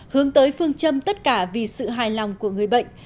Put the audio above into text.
hướng tới phương châm tất cả vì sự hài lòng của người bệnh